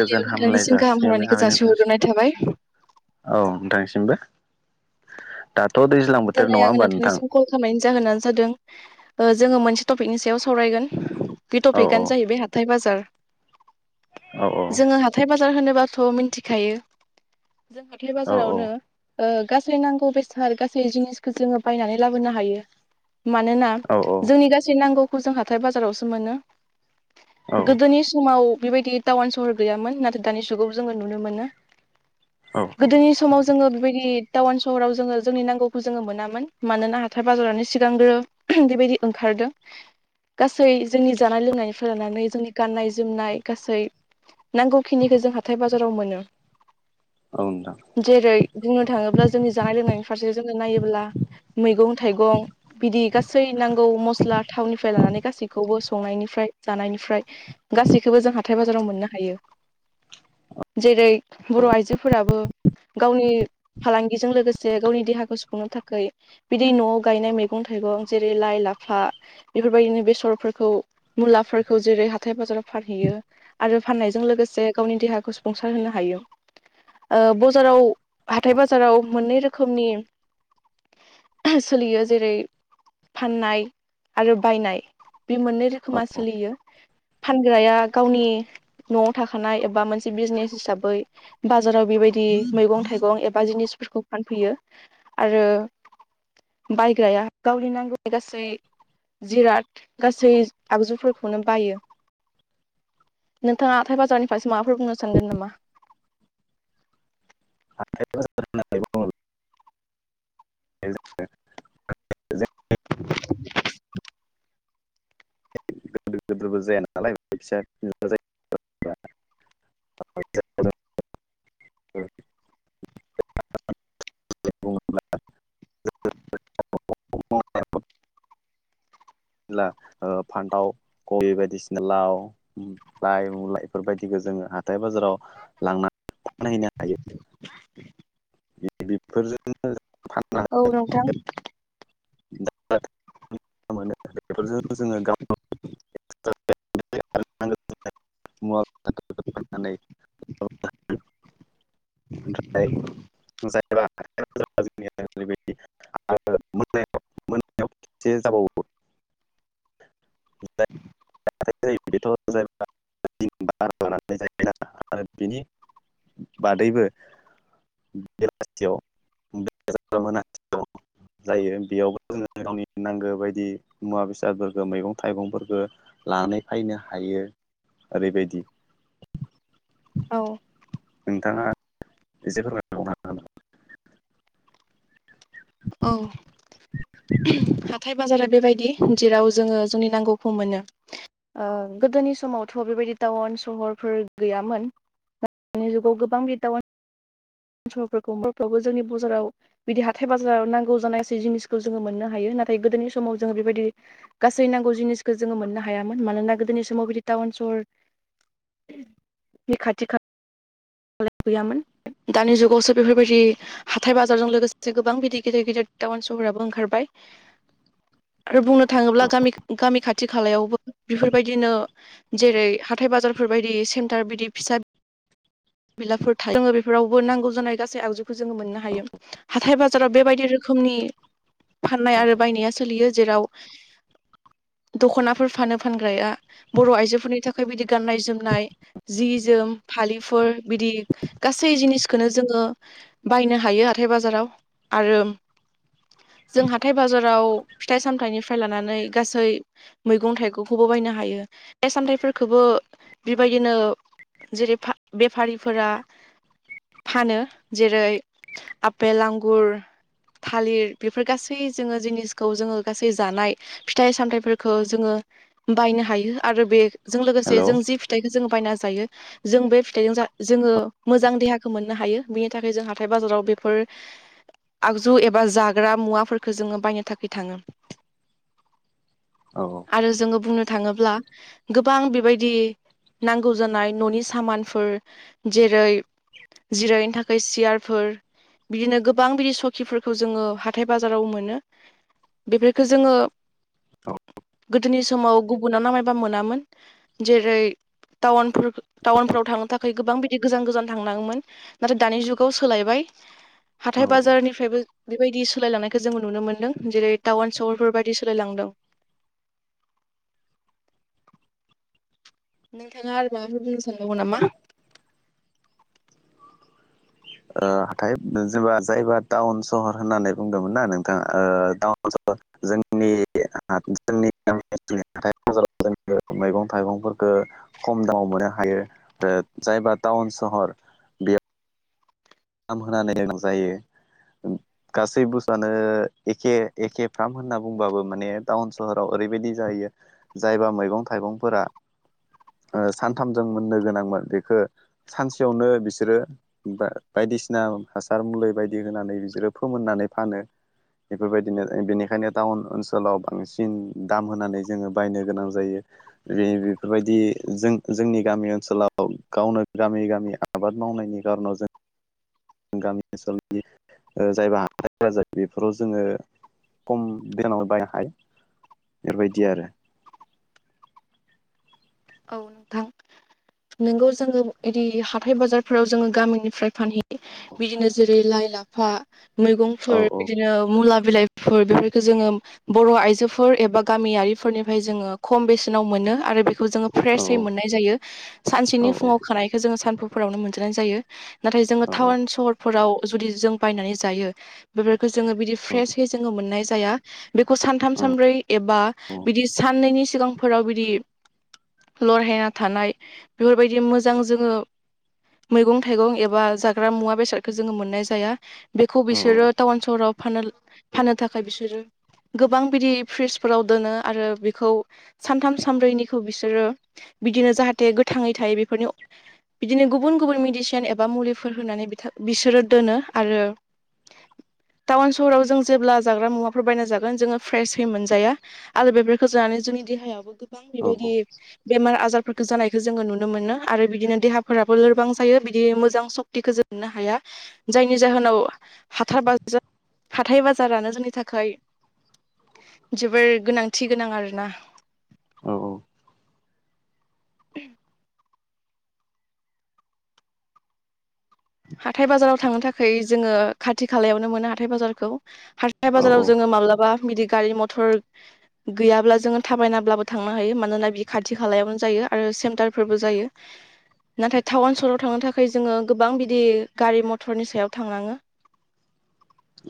गोजोन हामलाय नोंथांनिसिम गाहाम जासिनो हरनाय हामलायनायखौ थाबाय जासिहरग्रोनाय नोंथांसिम। थाबाय औ नोंथांनिसिमबो। दाथ' दै दिनै आङो नोंथांनिसिम कल खामनायनि जाहोनानो जादों ओ जोङो मोनसे टपिकनि सायाव सावरायगोन। बे औ औ टपिकानो जाहैबाय हाथाय बाजार। औ जोङो हाथाय बाजार होनोबाथ' मोनथि खायो जों हा थाइ औ बाजारावनो ओ गासै नांगौ बेसार गास सै जिनिसखो जोङो बायनानै लाबोनो हायो। मानोना औ जोंनि गासै नांगौ खौ जों हाथाय बाजारावसो मोनो। औ गोदोनि समाव बेबायदि टावान सहर गैयामोन नाथाय दानि जुगाव जोङो नुनो मोनो। औ औ गोदोनि समाव जोङो बेबायदि टावान सहराव जोङो जोंनि नांगौ खौ जोङो मोनामोन मानोना हाथाय बाजारानो सिगांग्रो बेबायदि ओंखारदों। गासै जोंनि जानाय लोंनायनिफ्राय लानानै जोंनि गाननाय जोमनाय गासै नांगौ खिनिखो जों हाथाय बाजाराव मोनो। औ नोंथां। जेरै बुंनो थाङोब्ला जोंनि जानाय लोंनायनि फारसे जोङो नायोब्ला मैगं थाइगं। बिदि गासै नांगौ मस्ला थावनिफ्राय लानानै गासैखौबो संनायनिफ्राय जानायनिफ्राय गासैखौबो जों हाथाय बाजाराव मोननो हायो। जेरै बर' औ आइजोफोराबो गावनि फालांगिजों लोगोसे गावनि देहा खौ सुफुंनो थाखै बिदि न'आव गायनाय मैगं थाइगं जेरै लाइ लाफा बेफोरबायदिनो बेसरफोरखौ मुलाफोरखौ जेरै हाथाय बाजाराव फानहैयो आरो फाननायजों लोगोसे गावनि देहाखौ सुफुंसार होनो हायो। ओ बजाराव हाथाय बाजाराव मोननै रोखोमनि [unintelligible] सोलियो जेरै फाननाय आरो बायनाय बे मोननै रो खोमा औ औ सोलियो। फानग्राया गावनि न'आव थाखानाय एबा मोनसे बिजनेस हिसाबै बाजाराव बेबायदि मैगं थाइगं एबा जिनिसफोरखौ फानफैयो आरो बायग्राया गावनि नांगौनि गासै जिराद गासै आगजुफोरखौनो बायो। नोंथाङा हाथाय बाजारनिफ्रायसो माफोर बुंनो सानगोन नामा? हाथाय बाज [inaudible] लोद्रोबो जाया नालाय [unintelligible] बुङोब्ला ब्ला ओ फान्थाव कबि बायदिसिना लाव उम लाइ मुला इफोर बायदिखौ जोङो हाथाय बाजाराव लांनानै फानहैनो हायो। [inaudible] बेफोरजोंनो फानना [unintelligible] औ नोंथां [unintelligible] मोनो बेफोरजों जोङो गाव मुवा बेसादफोरखौ फाननानै [inaudible] ओमफ्राय जों ओै बायदि [unintelligible] मोनाव खेबसे जाबावो [unintelligible] जायो बेथ' जोन लानानै जाहैबाय [unintelligible] आरो बिनि बादैबो बेयाव मोन [unintelligible] जायो बेयावबो जोङो गावनि नांगौ बायदि मुवा बेसादफोरखौ मैगं थाइगंफोरखौ लानानै फैनो हायो ओरैबायदि औ नोंथाङा एसे फोरमाय औ हाथाय बाजारा बेबायदि जेराव जोङो जोंनि नांगौखौ मोनो गोदोनि समावथ' बेबायदि टाउन सहरफोर गैयामोन दानि जुगाव गोबां टाउन [unintelligible] सहरफोरखौ बर'फ्रावबो जोंनि बाजाराव [unintelligible] बिदि हाथाय बाजाराव नांगौ जानाय जिनिसखौ जोङो मोननो हायो नाथाय गोदोनि समाव जोङो बेबायदि गासै नांगौ जिनिसखौ जोङो मोननो हायामोन मानोना गोदोनि समाव बिदि टाउन सहर बे खाथि खाला गैयामोन दानि जुगावसो बेफोरबायदि हाथाय बाजारजों लोगोसे गोबां बिदि गिदिर गिदिर टाउन सहराबो ओंखारबाय आरो बुंनो थाङोब्ला गामि गामि खाथि खालायावबो बेफोरबायदिनो जेरै हाथाय बाजारफोर बायदि सेन्टार बिदि फिसा बिलाफोर थायो जोङो बेफोरावबो नांगौ जानाय गासै आगजुखौ जोङो मोननो हायो हाथाय बाजाराव बेबायदि रोखोमनि फाननाय आरो बायनाया सोलियो जेराव दख'नाफोर फानो फानग्राया बर' आइजोफोरनि थाखाय बिदि गाननाय जोमनाय जि जोम फालिफोर बिदि गासै जिनिसखौनो जोङो बायनो हायो हाथाय बाजाराव आरो जों हाथाय बाजाराव फिथाइ सामथाइनिफ्राय लानानै गासै मैगं थाइगंखौबो बायनो हायो बे फिथाइ सामथाइफोरखौबो बेबायदिनो जेरै बेफारिफोरा फानो जेरै आपेल आंगुर थालिर बेफोर गासै जोङो जिनिसखौ जोङो गासै जानाय फिथाइ सामथाइफोरखौ जोङो बायनो हायो आरो बे जों लोगोसे हेल' जों जि फिथाइखौ जों बायना जायो जों बे जों जोङो मोजां देहाखौ मोननो हायो बिनि थाखाय जों हाथाय बाजाराव बेफोर आगजु एबा जाग्रा मुवाफोरखौ जोङो बायनो थाखाय थाङो औ औ आरो जोङो बुंनो थाङोब्ला गोबां बेबायदि नांगौ जानाय न'नि सामान फोर जेरै जिरायनो थाखाय सियारफोर बिदिनो गोबां बिदि सकिफोरखौ जोङो हाथाय बाजाराव मोनो बेफोरखौ जोङो गोदोनि समाव गुबुुनाव नामायबा मोनामोन जेरै टउन टाउनफोराव [unintelligible] थांनो थाखाय गोबां बिदि गोजान गोजान थांनाङोमोन नाथाय दानि जुगाव सोलायबाय हाथाय औ बाजारनिफ्रायबो बेबायदि सोलायलांनायखौ जोंङो नुनो मोन्दों जेरै टाउन सहरफोर बायदि सोलायलांदों नोंथाङा आरो माबाफोर बुंनो सानबायो नामा ओ हाथाय जेनेबा जायबा टाउन सहर होननानै बुंदोंमोन ना नोंथाङा ओ टाउन सहर जोंनि जोंनि गामि आगोलनि हाथाय बाजार मैगं थाइगंफोरखौ खम दामाव मोननो हायो ओ जायबा टाउन सहर नाम होनानै गोनां जायो गासै बुसथुयानो एखे एखे फ्राम होनना बुंबाबो माने टाउन सहराव ओरैबायदि जाहायो जायबा मैगं थाइगंफोरा ओ सानथामजों मोननो गोनांमोन बेखौ सानसेयावनो बिसोरो बायदिसिना हासार मुलि बायदि होनानै बिसोरो फोमोननानै फानो बेफोरबायदिनो बेनिखायनो टाउन ओनसोलाव बांसिन दाम होनानै जोङो बायनो गोनां जायो बे बेफोरबायदि जों जोंनि गामि ओनसोलाव गावनो गामि गामि आबाद मावनायनि खारनाव जों गामि ओनसोलनि जायबा आखाइफोरा जायो बेफोराव जोङो खम बेनाव बायनो हायो बेफोरबायदि आरो औ नोंथां नोंगौ जोङो इदि हाथाय बाजारफोराव जोङो गामिनिफ्राय फानहैयो बिदिनो जेरै लाइ लाफा औ मैगंफोर औ बिदिनो मुला बिलाइ फोर बेफोरखौ जोङो बर' आइजोफोर एबा गामियारिफोरनिफ्राय जोङो खम बेसेनाव मोनो आरो बेखौ जोङो औ फ्रेसै मोननाय जायो औ सानसेनि फुङाव खानायखौ जोङो सानफुफोरावनो मोनजानाय जायो नाथाय जोङो औ टाउन सहर फोराव जुदि जों बायनानै जायो बेफोरखौ जोङो बिदि फ्रेसयै जोङो मोननाय जाया बेखौ सानथाम औ सानब्रै एबा औ बिदि साननैनि सिगांफोराव बिदि लरहायना थानाय बेफोरबायदि मोजां जोङो मैगं-थाइगं एबा जाग्रा मुवा-बेसादखौ जोङो मोननाय जाया बेखौ बिसोरो टाउन सहराव फानो फाननो थाखाय बिसोरो गोबां बिदि फ्रिजफोराव दोनो आरो बेखौ सानथाम सानब्रैनिखौ बि बिदिनो जाहाथे गोथाङै थायो बे फोरनि बिदिनो गुबुन गुबुन मेदिसिन एबा मुलिफोर होनानै बिथा बिसोरो दोनो आरो टाउन सहराव जों जेब्ला जाग्रा मुवाफोर बायना जागोन जोङो फ्रेसहै मोनजाया आरो बेफोरखौ जानानै जोंनि देहायावबो गोबां औ बेबायदि बेमार-आजारफोरखौ जानायखौ जोङो नुनो मोनो आरो बिदिनो देहाफोराबो लोरबां जायो बिदि मोजां सक्तिखौ जों मोननो हाया जायनि जाहोनाव हाथाय बाजार हाथाय-बाजारानो जोंनि थाखाय जोबोर गोनांथि गोनां आरोना औ औ [inaudible] हाथाय-बाजाराव थांनो थाखाय जोङो खाथि खालायावनो मोनो हाथाय-बाजारखौ औ हाथाइ-बाजाराव जोङो माब्लाबा बिदि गारि मथर गैयाब्ला जोङो थाबायनाब्लाबो थांनो हायो मानोना बि खाथि खालायावनो जायो आरो सेन्टारफोरबो जायो नाथाय थाउन सहराव थांनो थाखाय जोङो गोबां बि दि गारि मथरनि सायाव थांनाङो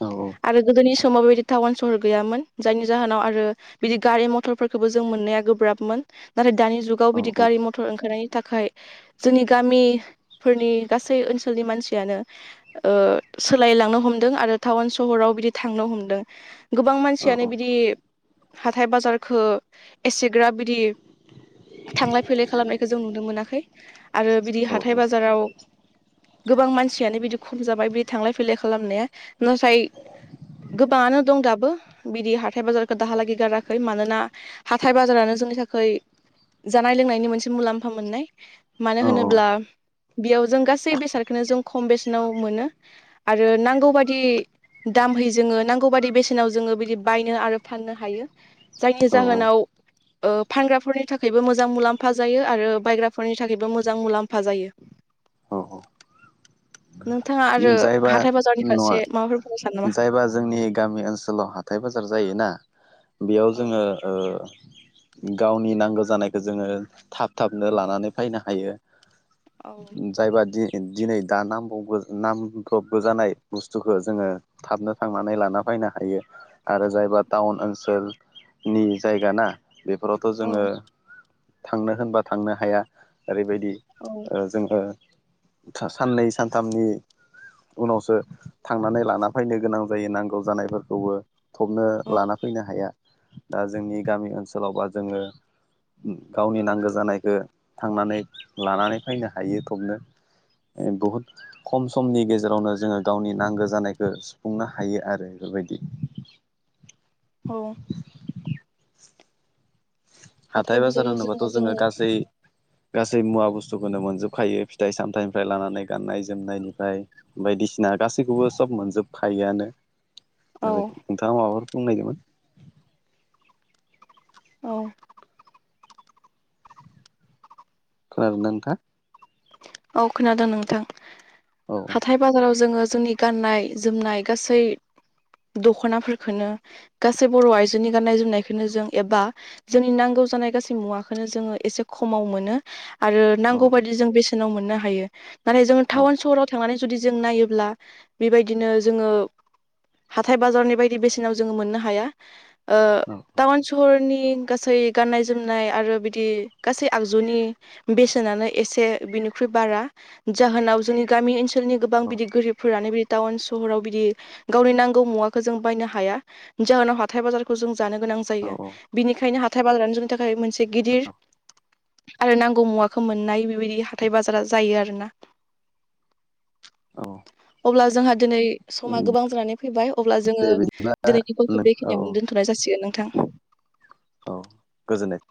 औ आरो गोदोनि समाव बेबायदि टाउन सहर गैयामोन जायनि जाहोनाव आरो बिदि गारि मथरफोरखौबो जों मोननाया गोब्राबमोन नाथाय दानि जुग गाव औ बिदि गारि मथर ओंखारनायनि थाखाय जोंनि गामिफोरनि गासै ओनसो सोलनि मानसियानो ओ सोलायलांनो हमदों आरो टाउन सहराव बिदि थांनो हमदों। गोबां मानसियानो बिदि हाथाइ बाजारखो एसेग्राब बिदि थांलाय फैलाय खालामनायखौ जों नुनो मोनाखै आरो बिदि औ हाथाय-बाजाराव गोबां मानसियानो बिदि खम जाबाय बे थांलाय फैलाय खालामनाया नाथाय गोबाङानो दं दाबो बिदि हाथाय-बाजारखो दाहालागि गाराखै मानोना हाथाय-बाजारानो जोंनि थाखै जानाय-लोंनायनि मोनसे मुलाम्फा मोननाय मानो होनोब्ला बेयाव जों गासै बेसे सारखोनो जों खम बेसेनाव मोनो आरो नांगौबादि दामहै जोङो नांगौ बायदि बेसेनाव जोङो बिदि बायनो आरो फाननो हायो जायनि औ जाहोनाव ओ फानग्राफोरनि थाखायबो मोजां मुलाम्फा जायो आरो बायग्राफोरनि थाखायबो मोजां मुलाम्फा जायो औ नोंथाङा आरो जायबा हाथाय बाजारनि नङा फारसे माबाफोर बुंनो सानो नामा जायबा जोंनि गामि ओनसो सोलाव हाथाय-बाजार जायोना बेयाव जोङो औ ओ गावनि नांगौ जानायखौ जोङो थाब थाबनो लानानै फायनो हायो औ जायबा दि दिनै दा नांबावगो नामब्र'बगो जानाय बुस्थुखो जोङो थाबनो थांनानै लाना फायनो हायो। आरो जायबा टाउन ओनसोलनि जायगा ना बेफोरावथ' जोङो औ थांनो होनबा थांनो हाया ओरैबायदि औ ओ जोङो सा साननै सानथामनि उनावसो थांनानै लाना फैनो गोनां जायो नांगौ जानायफोरखौबो थबनो औ लाना फैनो हाया दा जोंनि गामि ओनसोलाव बा जोङो गावनि नांगो जानायखो थांनानै लानानै फैनो हायो थबनो ओ बुहुद खम समनि गेजेरावनो जोङो गावनि नांगौ जानायखो सुफुंनो हायो आरो बेबायदि औ हाथाय हाथाय-बाजार बाजाराव होनोबाथ' जोङो जोंनि गासै गासै मुवा बुस्थुखोनो मोनजोबखायो फिथाइ-सामथाइनिफ्राय लानानै गाननाय-जोमनायनिफ्राय बायदिसिना गासैखौबो सब मोनजोबखायोआनो औ बेबायदि नोंथाङा माबाफोर बुंनायदोंमोन औ खोनादोना नोंथाङा? औ खोनादों नोंथां औ हाथाय बाजाराव जोङो जोंनि गाननाय-जोमनाय गासै दख'नाफोरखोनो गासै बर' आइजोनि-गाननाय जोमनायखोनो जों एबा जोंनि नांगौ जानाय गासै मुवाखोनो जोङो एसे खमाव मोनो आरो औ नांगौ बायदि जों बेसेनाव मोननो हायो नाथाय जोङो औ थाउन सहराव थांनानै जुदि जों नायोब्ला बेबायदिनो जोङो हाथाय-बाजारनि बायदि बेसेनाव जोङो मोननो हाया ओ औ टाउन सहरनि गासै गाननाय-जोमनाय आरो बिदि गासै आगजुनि बेसेनानो एसे बिनिख्रुइ बारा जाहोनाव जोंनि गामि ओनसोलनि गोबां बिदि गोरिबफोरानो बि टाउन सहराव बिदि गावनि नांगौ मुवाखो जों बायनो हाया जाहोनाव हा थाय बाजारखौ जों जानो गोनां औ जायो बिनिखायनो हाथाय-बाजारानो जोंनि थाखाय मोनसे गिदिर आरो नांगौ मुवाखौ मोननाय बेबायदि हाथाय बाजारा जायो आरोना औ अब्ला जोंहा दिनै समा गोबां जानानै फैबाय अब्ला दे जोङो बिदिब्ला दिनैनि टपिकखौ औ औ बेखिनियावनो दोनथ'नाय जासिगोन नोंथां। औ गोजोननाय